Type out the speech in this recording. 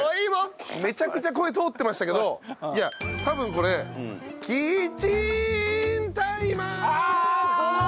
めちゃくちゃ声通ってましたけどいや多分これ「キッチンタイマボイ」の方です。